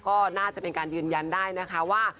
ก็น่าจะเป็นการยืนยันได้นะคะว่า